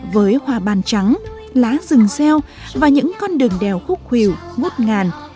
với hoa bàn trắng lá rừng xeo và những con đường đèo khúc khủyểu ngút ngàn